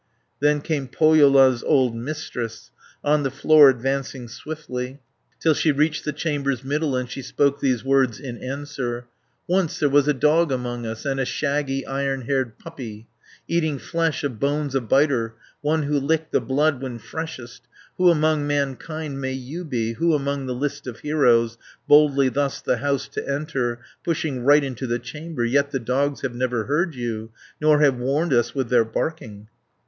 Then came Pohjola's old Mistress, On the floor advancing swiftly, Till she reached the chamber's middle, And she spoke these words in answer: "Once there was a dog among us, And a shaggy iron haired puppy, Eating flesh, of bones a biter, One who licked the blood when freshest. 420 Who among mankind may you be, Who among the list of heroes, Boldly thus the house to enter, Pushing right into the chamber, Yet the dogs have never heard you, Nor have warned us with their barking?"